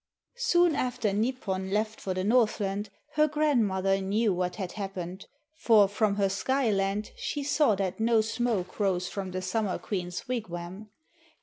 Soon after Nipon left for the Northland her grandmother knew what had happened, for from her Skyland she saw that no smoke rose from the Summer Queen's wigwam.